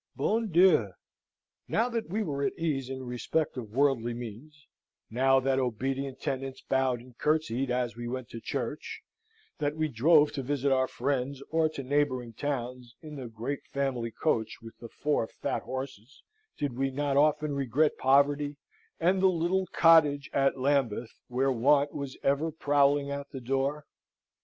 Bon Dieu! Now that we were at ease in respect of worldly means, now that obedient tenants bowed and curtseyed as we went to church; that we drove to visit our friends, or to the neighbouring towns, in the great family coach with the four fat horses; did we not often regret poverty, and the dear little cottage at Lambeth, where Want was ever prowling at the door?